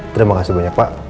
terima kasih banyak pak